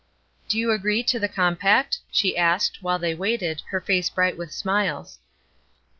"Do you agree to the compact?" she asked, while they waited, her face bright with smiles.